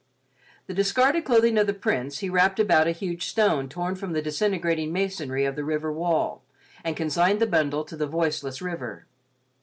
The discarded clothing of the Prince he wrapped about a huge stone torn from the disintegrating masonry of the river wall, and consigned the bundle to the voiceless river.